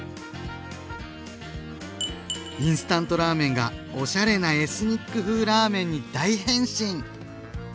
インスタントラーメンがおしゃれなエスニック風ラーメンに大変身！